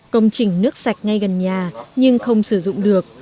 công trình nước sạch ngay gần nhà nhưng không sử dụng được